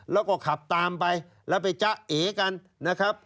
แล้วก็ขับตามไปแล้วไปจ๊ะเอกันนะครับ